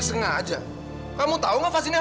salahku tuh apa sih